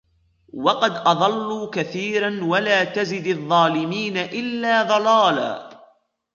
وَقَدْ أَضَلُّوا كَثِيرًا وَلَا تَزِدِ الظَّالِمِينَ إِلَّا ضَلَالًا